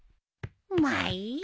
まあいいや。